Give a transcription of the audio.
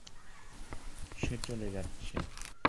সে চলে যাচ্ছে!